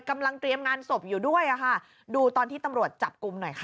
กำลังเตรียมงานศพอยู่ด้วยอ่ะค่ะดูตอนที่ตำรวจจับกลุ่มหน่อยค่ะ